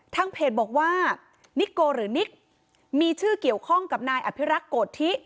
ทางเพจบอกว่านิโกหรือนิกมีชื่อเกี่ยวข้องกับนายอภิรักษ์โกธิ